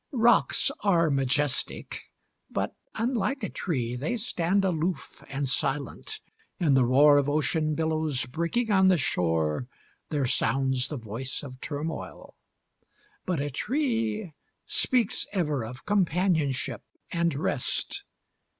Rocks are majestic; but, unlike a tree, They stand aloof, and silent. In the roar Of ocean billows breaking on the shore There sounds the voice of turmoil. But a tree Speaks ever of companionship and rest.